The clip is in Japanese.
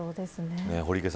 堀池さん